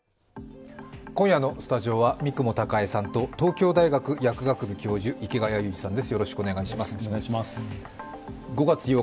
今夜のスタジオは三雲孝江さんと東京大学薬学部教授、池谷裕二さんです。